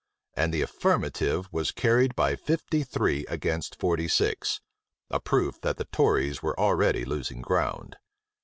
and the affirmative was carried by fifty three against forty six: a proof that the tories were already losing ground.